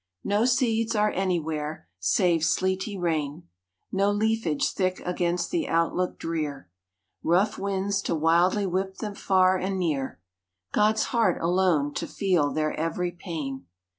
No seeds are anywhere, save sleety rain, No leafage thick against the outlook drear; Rough winds to wildly whip them far and near; God's heart alone to feel their every pain.